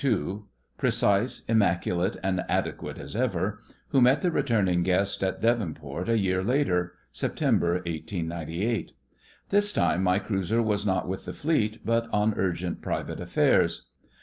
—precise, immaculate, and adequate as ever—who met the returning guest at Devonport a year later—September, 1898. This time my cruiser was not with the Fleet, but on urgent private affairs.